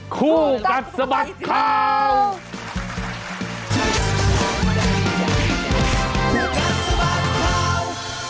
คู่กันสมัครข่าวคู่กันสมัครข่าว